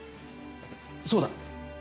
そうだ！